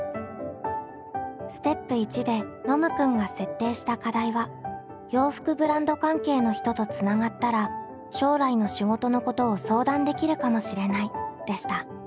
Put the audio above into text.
ステップ１でノムくんが設定した課題は「洋服ブランド関係の人とつながったら将来の仕事のことを相談できるかもしれない」でした。